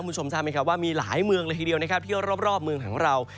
คุณผู้ชมทราบไหมครับว่ามีหลายเมืองเลยทีเดียวนะครับที่รอบเมืองของเรา